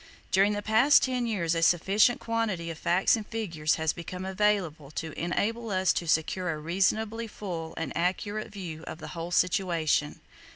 During the past ten years a sufficient quantity of facts and figures has become available to enable us to secure a reasonably full and accurate view of the whole situation.